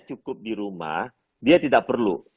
cukup di rumah dia tidak perlu